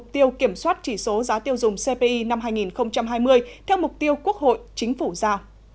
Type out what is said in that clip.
tiêu kiểm soát chỉ số giá tiêu dùng cpi năm hai nghìn hai mươi theo mục tiêu quốc hội chính phủ giao